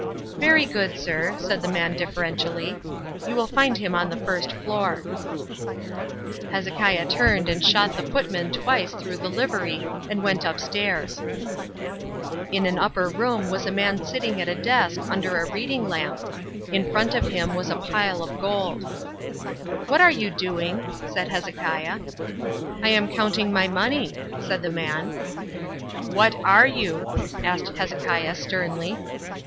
"Very good, sir," said the man deferentially. "You will find him on the first floor." Hezekiah turned and shot the footman twice through the livery and went upstairs. Illustration: Hezekiah shot the footman twice through the livery In an upper room was a man sitting at a desk under a reading lamp. In front of him was a pile of gold. "What are you doing?" said Hezekiah. "I am counting my money," said the man. "What are you?" asked Hezekiah sternly.